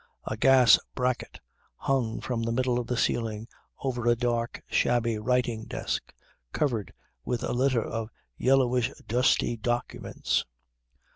A gas bracket hung from the middle of the ceiling over a dark, shabby writing desk covered with a litter of yellowish dusty documents.